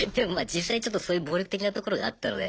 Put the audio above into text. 実際ちょっとそういう暴力的なところがあったので。